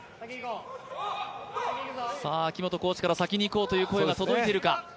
秋本コーチから「先にいこう」という声が届いているか。